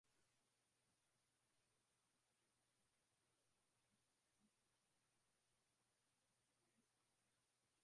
anakuwa hana uwezo wakula majani vizuri hasa majani ya juu kama waliyo twiga wakubwa